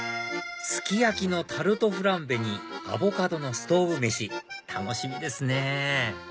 すき焼きのタルトフランベにアボカドのストウブ飯楽しみですね